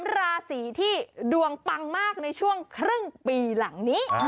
ราศีที่ดวงปังมากในช่วงครึ่งปีหลังนี้